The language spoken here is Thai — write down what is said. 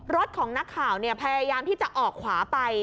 รถของนักข่าวพยายามที่จะออกขวาไป